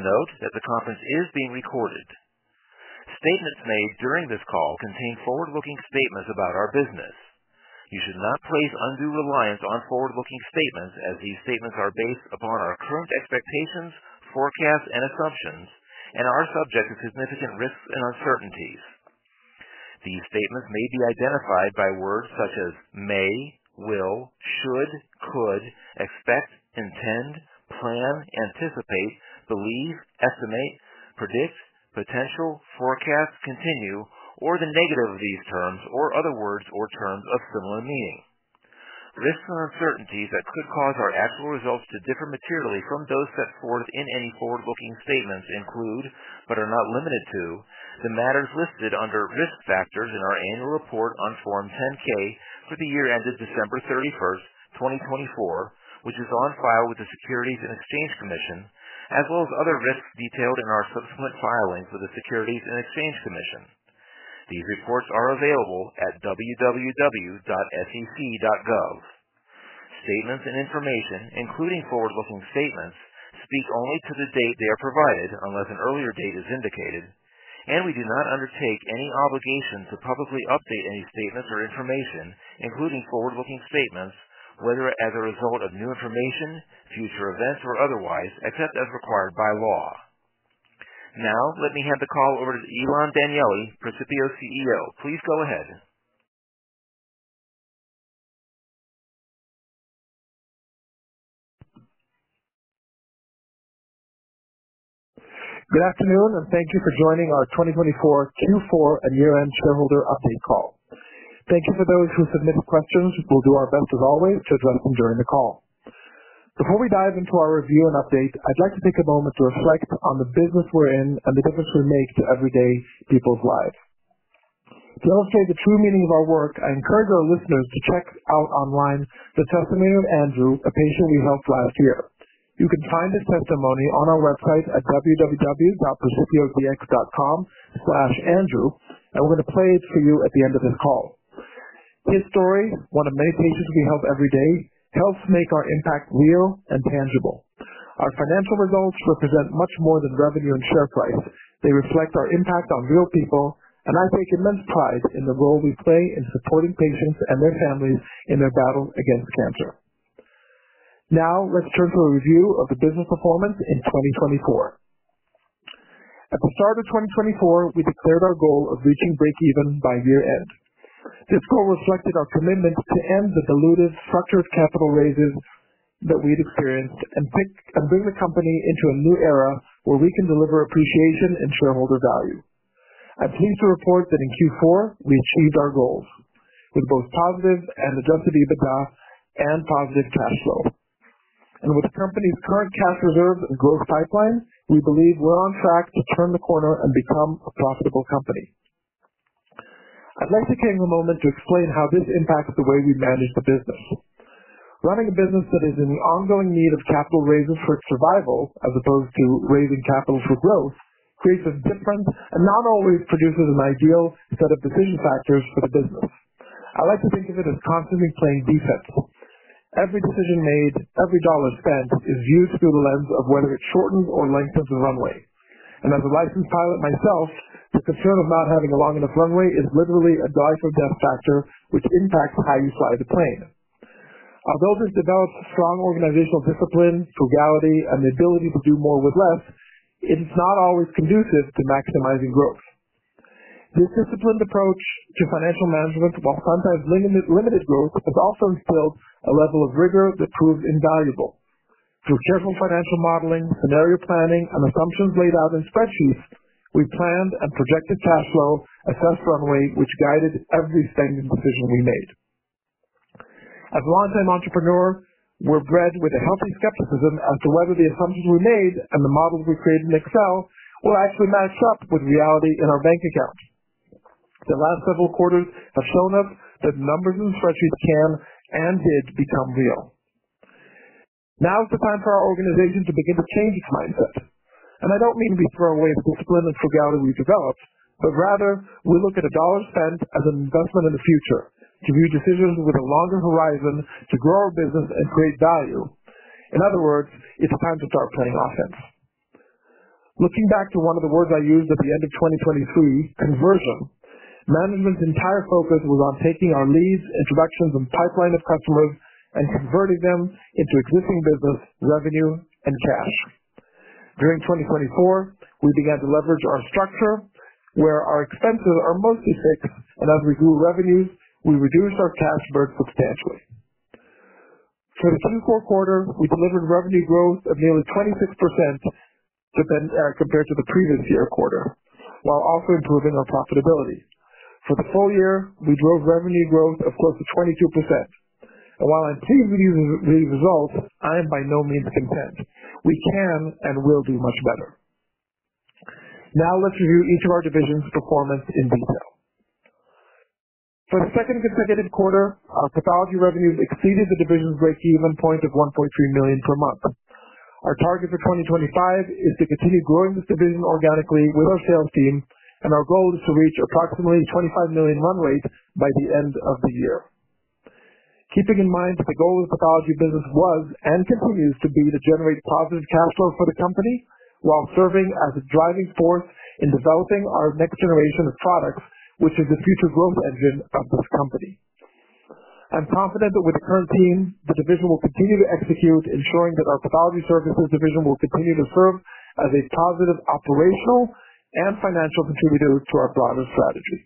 Please note that the conference is being recorded. Statements made during this call contain forward-looking statements about our business. You should not place undue reliance on forward-looking statements, as these statements are based upon our current expectations, forecasts, and assumptions, and are subject to significant risks and uncertainties. These statements may be identified by words such as may, will, should, could, expect, intend, plan, anticipate, believe, estimate, predict, potential, forecast, continue, or the negative of these terms, or other words or terms of similar meaning. Risks and uncertainties that could cause our actual results to differ materially from those set forth in any forward-looking statements include, but are not limited to, the matters listed under risk factors in our annual report on Form 10-K for the year ended December 31, 2024, which is on file with the Securities and Exchange Commission, as well as other risks detailed in our subsequent filings with the Securities and Exchange Commission. These reports are available at www.sec.gov. Statements and information, including forward-looking statements, speak only to the date they are provided, unless an earlier date is indicated, and we do not undertake any obligation to publicly update any statements or information, including forward-looking statements, whether as a result of new information, future events, or otherwise, except as required by law. Now, let me hand the call over to Ilan Danieli, Precipio CEO. Please go ahead. Good afternoon, and thank you for joining our 2024 Q4 and year-end shareholder update call. Thank you for those who submitted questions. We'll do our best, as always, to address them during the call. Before we dive into our review and update, I'd like to take a moment to reflect on the business we're in and the difference we make to everyday people's lives. To illustrate the true meaning of our work, I encourage our listeners to check out online the testimony of Andrew, a patient we helped last year. You can find his testimony on our website at www.precipiodx.com/andrew, and we're going to play it for you at the end of this call. His story, one of many patients we help every day, helps make our impact real and tangible. Our financial results represent much more than revenue and share price. They reflect our impact on real people, and I take immense pride in the role we play in supporting patients and their families in their battle against cancer. Now, let's turn to a review of the business performance in 2024. At the start of 2024, we declared our goal of reaching break-even by year-end. This goal reflected our commitment to end the diluted, structured capital raises that we'd experienced and bring the company into a new era where we can deliver appreciation and shareholder value. I'm pleased to report that in Q4, we achieved our goals with both positive and adjusted EBITDA and positive cash flow. With the company's current cash reserves and growth pipeline, we believe we're on track to turn the corner and become a profitable company. I'd like to take a moment to explain how this impacts the way we manage the business Running a business that is in the ongoing need of capital raises for its survival, as opposed to raising capital for growth, creates a different and not always produces an ideal set of decision factors for the business. I like to think of it as constantly playing defense. Every decision made, every dollar spent, is viewed through the lens of whether it shortens or lengthens the runway. As a licensed pilot myself, the concern of not having a long enough runway is literally a life-or-death factor, which impacts how you fly the plane. Although this develops strong organizational discipline, frugality, and the ability to do more with less, it is not always conducive to maximizing growth. This disciplined approach to financial management, while sometimes limited growth, has also instilled a level of rigor that proves invaluable. Through careful financial modeling, scenario planning, and assumptions laid out in spreadsheets, we planned and projected cash flow, assessed runway, which guided every spending decision we made. As a longtime entrepreneur, we're bred with a healthy skepticism as to whether the assumptions we made and the models we created in Excel will actually match up with reality in our bank accounts. The last several quarters have shown us that numbers in the spreadsheet can and did become real. Now is the time for our organization to begin to change its mindset. I don't mean we throw away the discipline and frugality we've developed, but rather we look at a dollar spent as an investment in the future to view decisions with a longer horizon to grow our business and create value. In other words, it's time to start playing offense. Looking back to one of the words I used at the end of 2023, conversion, management's entire focus was on taking our leads, introductions, and pipeline of customers and converting them into existing business, revenue, and cash. During 2024, we began to leverage our structure where our expenses are mostly fixed, and as we grew revenues, we reduced our cash burden substantially. For the Q4 quarter, we delivered revenue growth of nearly 26% compared to the previous year quarter, while also improving our profitability. For the full year, we drove revenue growth of close to 22%. I am by no means content. We can and will do much better. Now, let's review each of our divisions' performance in detail. For the second consecutive quarter, our pathology revenues exceeded the division's break-even point of $1.3 million per month. Our target for 2025 is to continue growing this division organically with our sales team, and our goal is to reach approximately $25 million run rate by the end of the year. Keeping in mind that the goal of the pathology business was and continues to be to generate positive cash flow for the company while serving as a driving force in developing our next generation of products, which is the future growth engine of this company. I'm confident that with the current team, the division will continue to execute, ensuring that our pathology services division will continue to serve as a positive operational and financial contributor to our broader strategy.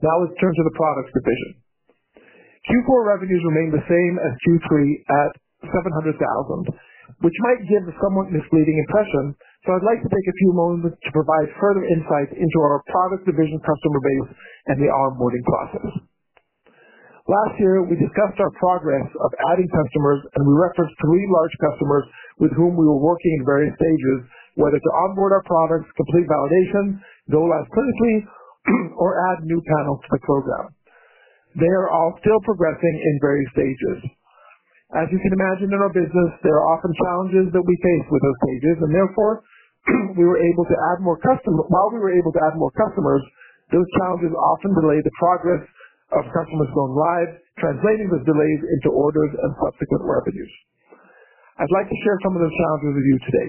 Now, let's turn to the products division. Q4 revenues remain the same as Q3 at $700,000, which might give a somewhat misleading impression, so I'd like to take a few moments to provide further insights into our product division customer base and the onboarding process. Last year, we discussed our progress of adding customers, and we referenced three large customers with whom we were working in various stages, whether to onboard our products, complete validation, go live clinically, or add new panels to the program. They are all still progressing in various stages. As you can imagine, in our business, there are often challenges that we face with those stages, and therefore, while we were able to add more customers, those challenges often delay the progress of customers going live, translating those delays into orders and subsequent revenues. I'd like to share some of those challenges with you today.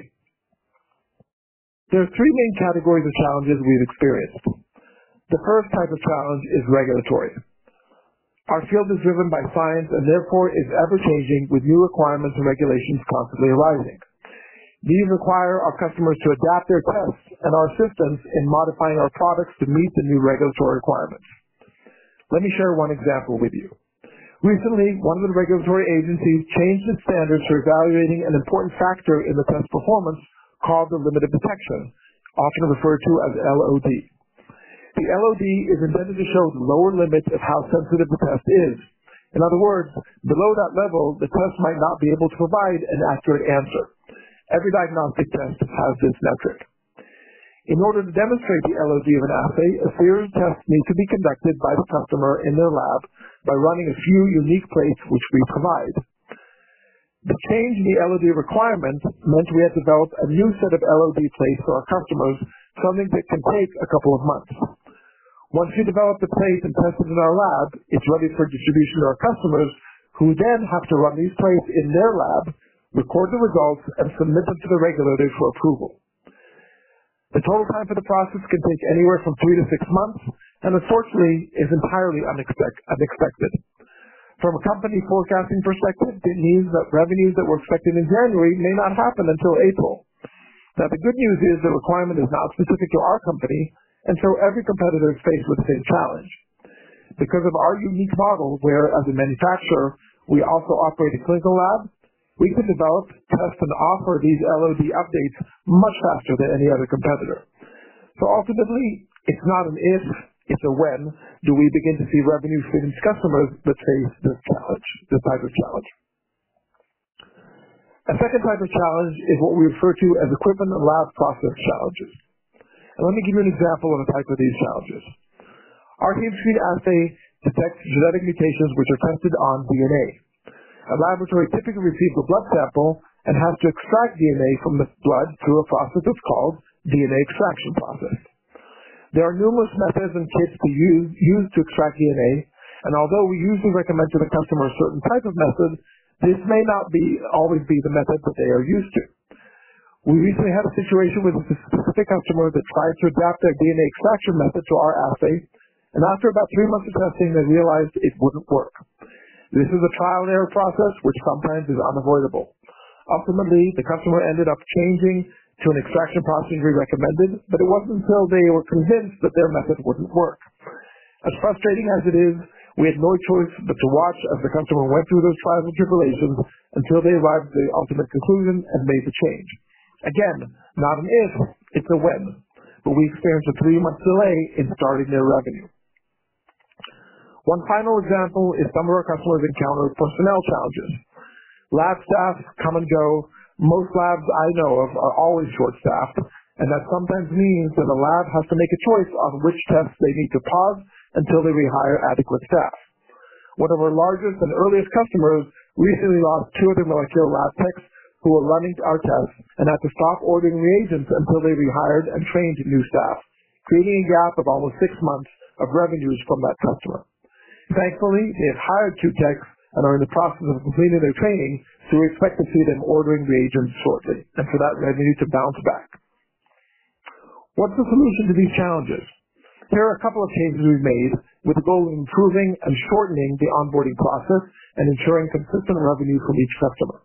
There are three main categories of challenges we've experienced. The first type of challenge is regulatory. Our field is driven by science and therefore is ever-changing with new requirements and regulations constantly arising. These require our customers to adapt their tests and our systems in modifying our products to meet the new regulatory requirements. Let me share one example with you. Recently, one of the regulatory agencies changed its standards for evaluating an important factor in the test performance called the limit of detection, often referred to as LOD. The LOD is intended to show the lower limit of how sensitive the test is. In other words, below that level, the test might not be able to provide an accurate answer. Every diagnostic test has this metric. In order to demonstrate the LOD of an assay, a series of tests need to be conducted by the customer in their lab by running a few unique plates which we provide. The change in the LOD requirements meant we had to develop a new set of LOD plates for our customers, something that can take a couple of months. Once we develop the plates and test them in our lab, it's ready for distribution to our customers, who then have to run these plates in their lab, record the results, and submit them to the regulator for approval. The total time for the process can take anywhere from three to six months, and unfortunately, is entirely unexpected. From a company forecasting perspective, it means that revenues that were expected in January may not happen until April. Now, the good news is the requirement is not specific to our company, and so every competitor is faced with the same challenge. Because of our unique model where, as a manufacturer, we also operate a clinical lab, we can develop, test, and offer these LOD updates much faster than any other competitor. Ultimately, it's not an if, it's a when do we begin to see revenue-fittened customers that face this type of challenge. A second type of challenge is what we refer to as equipment and lab process challenges. Let me give you an example of a type of these challenges. Our HemeScreen assay detects genetic mutations which are tested on DNA. A laboratory typically receives a blood sample and has to extract DNA from the blood through a process that's called the DNA extraction process. There are numerous methods and kits used to extract DNA, and although we usually recommend to the customer a certain type of method, this may not always be the method that they are used to. We recently had a situation with a specific customer that tried to adapt their DNA extraction method to our assay, and after about three months of testing, they realized it would not work. This is a trial-and-error process which sometimes is unavoidable. Ultimately, the customer ended up changing to an extraction process we recommended, but it was not until they were convinced that their method would not work. As frustrating as it is, we had no choice but to watch as the customer went through those trials and tribulations until they arrived at the ultimate conclusion and made the change. Again, not an if, it is a when, but we experienced a three-month delay in starting their revenue. One final example is some of our customers encountered personnel challenges. Lab staff come and go. Most labs I know of are always short-staffed, and that sometimes means that a lab has to make a choice on which tests they need to pause until they rehire adequate staff. One of our largest and earliest customers recently lost two of their molecular lab techs who were running our tests and had to stop ordering reagents until they rehired and trained new staff, creating a gap of almost six months of revenues from that customer. Thankfully, they have hired two techs and are in the process of completing their training, so we expect to see them ordering reagents shortly and for that revenue to bounce back. What's the solution to these challenges? Here are a couple of changes we've made with the goal of improving and shortening the onboarding process and ensuring consistent revenue from each customer.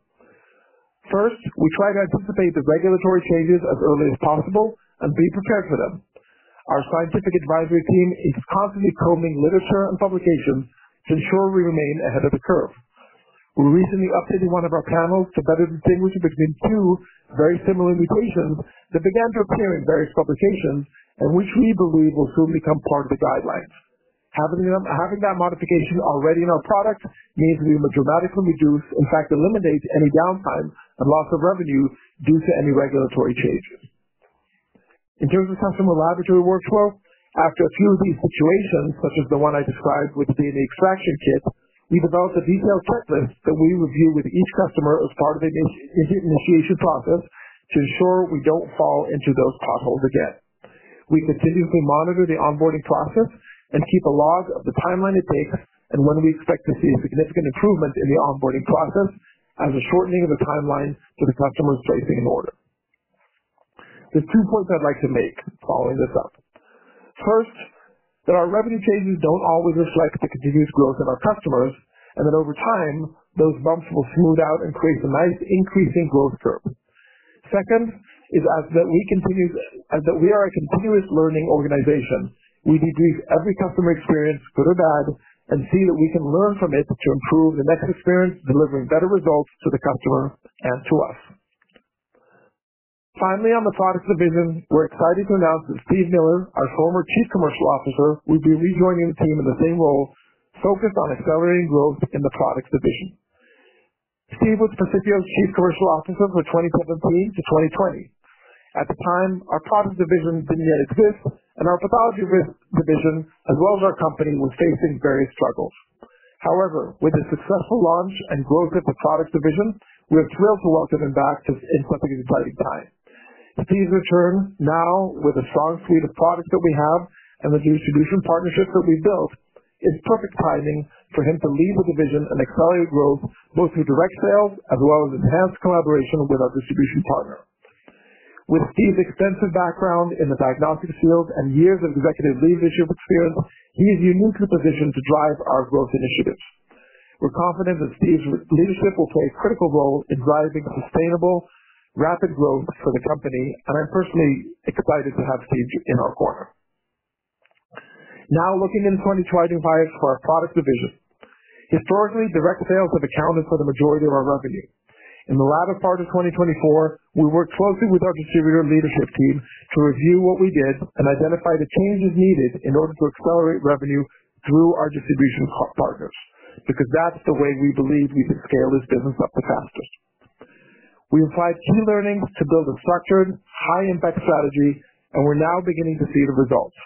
First, we try to anticipate the regulatory changes as early as possible and be prepared for them. Our scientific advisory team is constantly combing literature and publications to ensure we remain ahead of the curve. We recently updated one of our panels to better distinguish between two very similar mutations that began to appear in various publications and which we believe will soon become part of the guidelines. Having that modification already in our product means we will dramatically reduce, in fact, eliminate any downtime and loss of revenue due to any regulatory changes. In terms of customer laboratory workflow, after a few of these situations, such as the one I described with the DNA extraction kit, we developed a detailed checklist that we review with each customer as part of the initiation process to ensure we don't fall into those potholes again. We continuously monitor the onboarding process and keep a log of the timeline it takes and when we expect to see a significant improvement in the onboarding process as a shortening of the timeline for the customers placing an order. There are two points I'd like to make following this up. First, that our revenue changes don't always reflect the continuous growth of our customers and that over time, those bumps will smooth out and create a nice increasing growth curve. Second, is that we are a continuous learning organization. We debrief every customer experience, good or bad, and see that we can learn from it to improve the next experience, delivering better results to the customer and to us. Finally, on the product division, we're excited to announce that Steve Miller, our former Chief Commercial Officer, will be rejoining the team in the same role, focused on accelerating growth in the product division. Steve was Precipio's Chief Commercial Officer for 2017 to 2020. At the time, our product division didn't yet exist, and our pathology division, as well as our company, was facing various struggles. However, with the successful launch and growth of the product division, we are thrilled to welcome him back in such an exciting time. Steve's return now with a strong suite of products that we have and the distribution partnership that we've built is perfect timing for him to lead the division and accelerate growth both through direct sales as well as enhanced collaboration with our distribution partner. With Steve's extensive background in the diagnostics field and years of executive leadership experience, he is uniquely positioned to drive our growth initiatives. We're confident that Steve's leadership will play a critical role in driving sustainable, rapid growth for the company, and I'm personally excited to have Steve in our corner. Now, looking into 2025 for our product division. Historically, direct sales have accounted for the majority of our revenue. In the latter part of 2024, we worked closely with our distributor leadership team to review what we did and identify the changes needed in order to accelerate revenue through our distribution partners because that's the way we believe we can scale this business up the fastest. We applied key learnings to build a structured, high-impact strategy, and we're now beginning to see the results.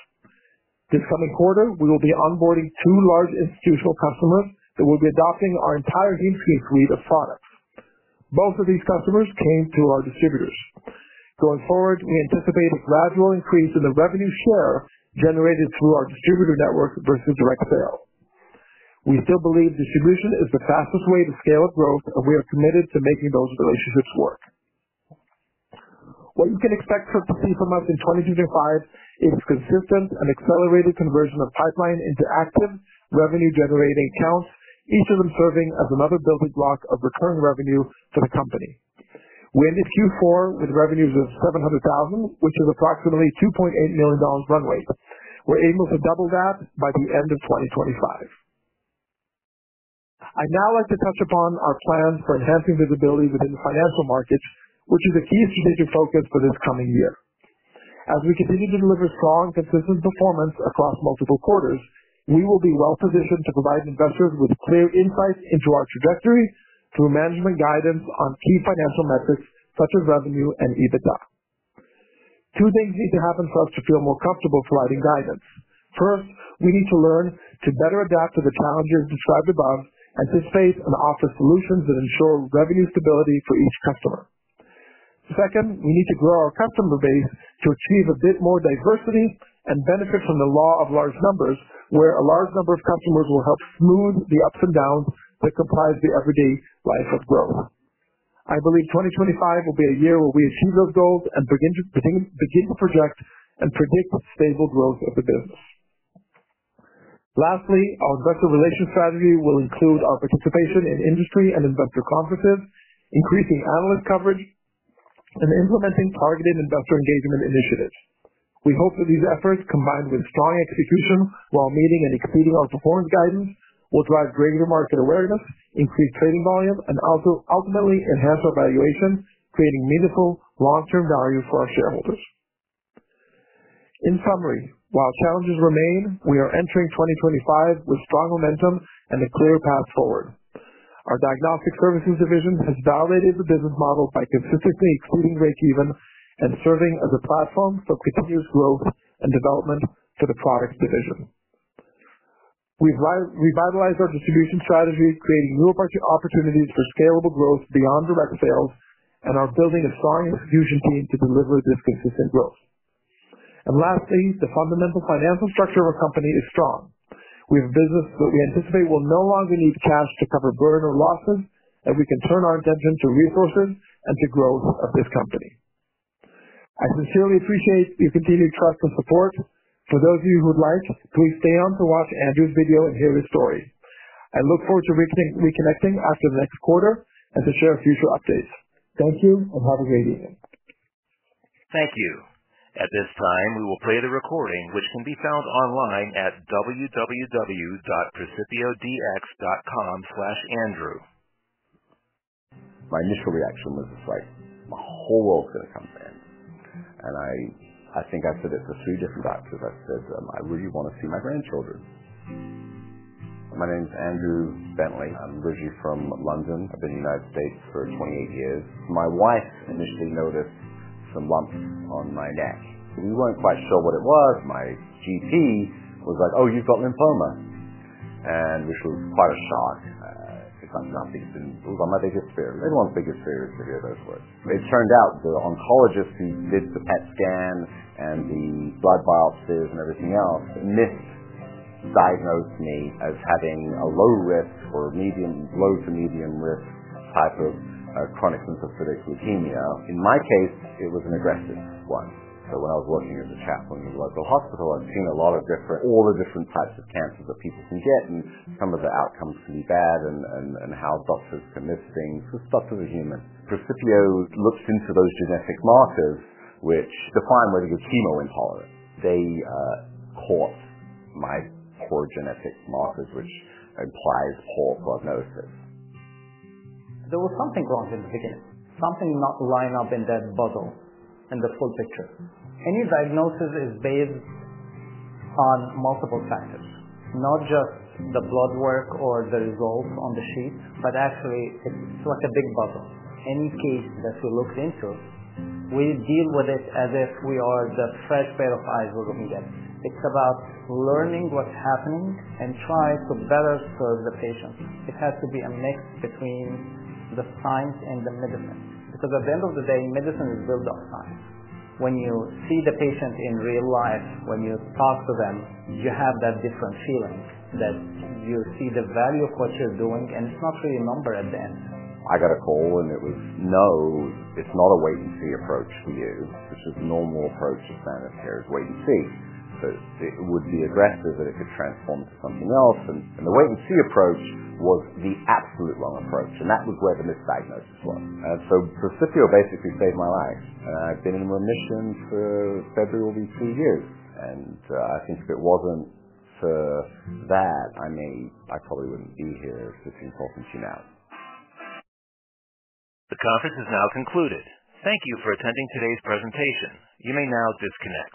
This coming quarter, we will be onboarding two large institutional customers that will be adopting our entire HemeScreen suite of products. Both of these customers came through our distributors. Going forward, we anticipate a gradual increase in the revenue share generated through our distributor network versus direct sales. We still believe distribution is the fastest way to scale up growth, and we are committed to making those relationships work. What you can expect to see from us in 2025 is consistent and accelerated conversion of pipeline into active revenue-generating accounts, each of them serving as another building block of recurring revenue for the company. We ended Q4 with revenues of $700,000, which is approximately $2.8 million run rate. We're able to double that by the end of 2025. I'd now like to touch upon our plans for enhancing visibility within the financial markets, which is a key strategic focus for this coming year. As we continue to deliver strong and consistent performance across multiple quarters, we will be well-positioned to provide investors with clear insights into our trajectory through management guidance on key financial metrics such as revenue and EBITDA. Two things need to happen for us to feel more comfortable providing guidance. First, we need to learn to better adapt to the challenges described above, anticipate, and offer solutions that ensure revenue stability for each customer. Second, we need to grow our customer base to achieve a bit more diversity and benefit from the law of large numbers, where a large number of customers will help smooth the ups and downs that comprise the everyday life of growth. I believe 2025 will be a year where we achieve those goals and begin to project and predict stable growth of the business. Lastly, our investor relation strategy will include our participation in industry and investor conferences, increasing analyst coverage, and implementing targeted investor engagement initiatives. We hope that these efforts, combined with strong execution while meeting and exceeding our performance guidance, will drive greater market awareness, increase trading volume, and ultimately enhance our valuation, creating meaningful long-term value for our shareholders. In summary, while challenges remain, we are entering 2025 with strong momentum and a clear path forward. Our diagnostic services division has validated the business model by consistently exceeding break-even and serving as a platform for continuous growth and development for the product division. We have revitalized our distribution strategy, creating new opportunities for scalable growth beyond direct sales, and are building a strong distribution team to deliver this consistent growth. Lastly, the fundamental financial structure of our company is strong. We have a business that we anticipate will no longer need cash to cover burden or losses, and we can turn our attention to resources and to growth of this company. I sincerely appreciate your continued trust and support. For those of you who would like, please stay on to watch Andrew's video and hear his story. I look forward to reconnecting after the next quarter and to share future updates. Thank you, and have a great evening. Thank you. At this time, we will play the recording, which can be found online at www.precipiodx.com/andrew. My initial reaction was, "It's like my whole world's going to come to end." I think I said it to three different doctors. I said, "I really want to see my grandchildren." My name's Andrew Bentley. I'm originally from London. I've been in the United States for 28 years. My wife initially noticed some lumps on my neck. We weren't quite sure what it was. My GP was like, "Oh, you've got lymphoma," which was quite a shock. It's like nothing's been—it was one of my biggest fears. Everyone's biggest fear is to hear those words. It turned out the oncologist who did the PET scan and the blood biopsies and everything else misdiagnosed me as having a low-risk or medium—low to medium-risk type of chronic lymphocytic leukemia. In my case, it was an aggressive one. When I was working as a chaplain in the local hospital, I'd seen a lot of different—all the different types of cancers that people can get, and some of the outcomes can be bad and how doctors can miss things. It's not for the human. Precipio looked into those genetic markers, which define whether you're chemo intolerant. They caught my poor genetic markers, which implies poor prognosis. There was something wrong in the beginning, something not lining up in that bubble and the full picture. Any diagnosis is based on multiple factors, not just the blood work or the results on the sheet, but actually, it's like a big puzzle. Any case that we looked into, we deal with it as if we are the fresh pair of eyes we're looking at. It's about learning what's happening and trying to better serve the patient. It has to be a mix between the science and the medicine because at the end of the day, medicine is built on science. When you see the patient in real life, when you talk to them, you have that different feeling that you see the value of what you're doing, and it's not really a number at the end. I got a call, and it was, "No, it's not a wait-and-see approach to you." It's just a normal approach to standard of care is wait-and-see. It would be aggressive that it could transform into something else. The wait-and-see approach was the absolute wrong approach, and that was where the misdiagnosis was. Precipio basically saved my life, and I've been in remission for the better part of these three years. I think if it wasn't for that, I may—I probably wouldn't be here sitting talking to you now. The conference is now concluded. Thank you for attending today's presentation. You may now disconnect.